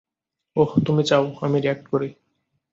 ওহ, তুমি চাও আমি রিয়্যাক্ট করি।